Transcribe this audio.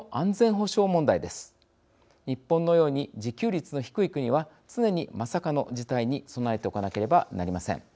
日本のように自給率の低い国は常にまさかの事態に備えておかなければなりません。